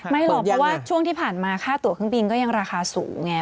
ไม่หรอกเพราะว่าช่วงที่ผ่านมาค่าตัวเครื่องบินก็ยังราคาสูงไง